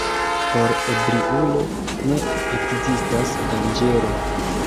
Por ebriulo ne ekzistas danĝero.